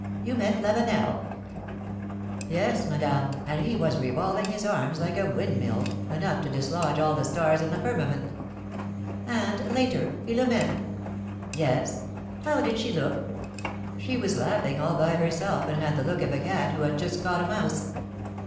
You met Lavenel?" ^^Yes, Madame; and he was revolving his arras like a windmill — enough to dislodge all the stars in the firmament." ^^And, later, Philom^ne?" ^^Yes." How did she look ?" ^^She was laughing all by herself, and had the look of a cat who has just caught a mouse."